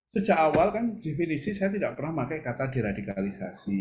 sejak awal kan definisi saya tidak pernah pakai kata deradikalisasi